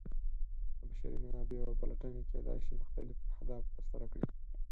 د بشري منابعو پلټنې کیدای شي مختلف اهداف ترسره کړي.